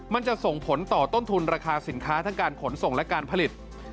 มันจะส่งผลต่อต้นทุนราคาสินค้าทั้งการขนส่งและการผลิต